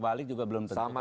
balik juga belum tentu